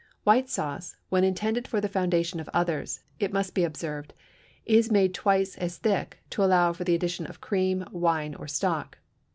White sauce, when intended for the foundation of others, it must be observed, is made twice as thick, to allow for the addition of cream, wine, or stock.